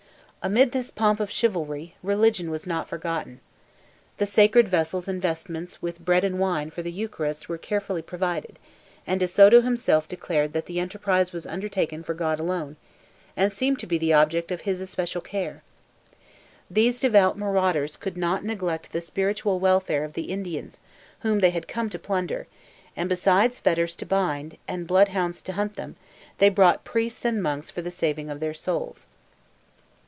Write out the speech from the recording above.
Amid this pomp of chivalry, religion was not forgotten. The sacred vessels and vestments with bread and wine for the Eucharist were carefully provided; and De Soto himself declared that the enterprise was undertaken for God alone, and seemed to be the object of His especial care. These devout marauders could not neglect the spiritual welfare of the Indians whom they had come to plunder; and besides fetters to bind, and bloodhounds to hunt them, they brought priests and monks for the saving of their souls.